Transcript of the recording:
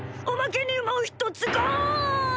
おまけにもひとつがん！